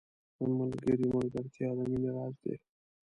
• د ملګري ملګرتیا د مینې راز دی.